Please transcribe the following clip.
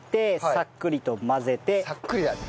さっくり。